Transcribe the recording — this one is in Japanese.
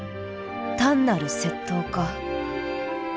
単なる窃盗か？